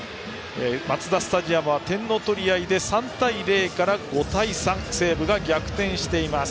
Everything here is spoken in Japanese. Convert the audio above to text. マツダスタジアムは点の取り合いで３対０から５対３と西武が逆転しています。